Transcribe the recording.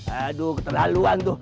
aduh keterlaluan tuh